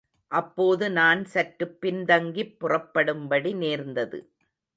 அப்போது நான் சற்றுப் பின்தங்கிப் புறப்படும்படி நேர்ந்தது.